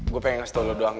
gue pengen kasih tau lo doang